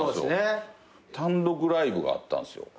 単独ライブがあったんすよ。